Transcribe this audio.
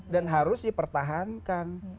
dan harus dipertahankan